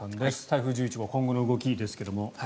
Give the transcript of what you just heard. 台風１１号今後の動きですけども。